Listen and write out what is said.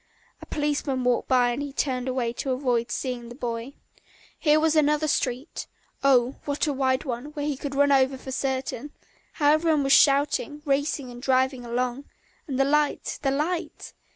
A policeman walked by and turned away to avoid seeing the boy. Here was another street oh, what a wide one, here he would be run over for certain; how everyone was shouting, racing and driving along, and the light, the light!